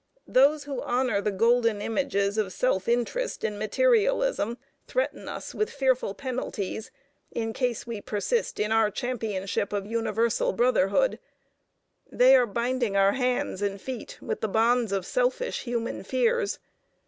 Those who honor the golden images of self interest and materialism threaten us with fearful penalties in case we persist in our championship of universal brotherhood. They are binding our hands and feet with the bonds of selfish human fears.